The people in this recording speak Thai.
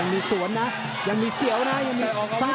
มีสวนล่ะมีเสียวล่ะสายอย่างอัศวรรภ์นะ